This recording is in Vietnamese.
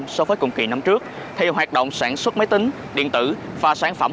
so với cùng kỳ năm trước thì hoạt động sản xuất máy tính điện tử và sản phẩm